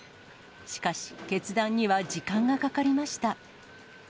しかし、決断には時間がかかりました。